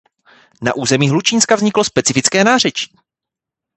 Na území Hlučínska vzniklo specifické nářečí.